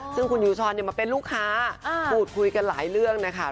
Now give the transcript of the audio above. ซึ่งคุณยูชรมาเป็นลูกค้าพูดคุยกันหลายเรื่องนะคะ